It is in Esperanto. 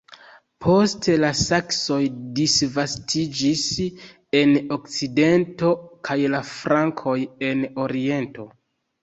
Poste la Saksoj disvastiĝis en okcidento kaj la Frankoj en oriento.